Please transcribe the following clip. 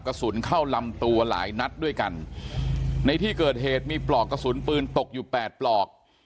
กระสุนเข้าลำตัวหลายนัดด้วยกันในที่เกิดเหตุมีปลอกกระสุนปืนตกอยู่แปดปลอก